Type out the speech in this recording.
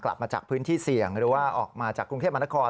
กลับมาจากพื้นที่เสี่ยงหรือว่าออกมาจากกรุงเทพมหานคร